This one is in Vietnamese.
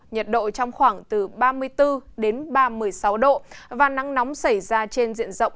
nhiệt độ trong khoảng từ ba mươi bốn đến ba mươi sáu độ và nắng nóng xảy ra trên diện rộng